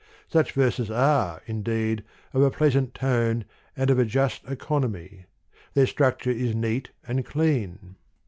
Such verses are, indeed, of a pleasant tone and of a just economy ; their structure is neat and clean, THE POEMS OF MR.